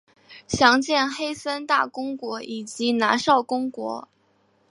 详见黑森大公国以及拿绍公国。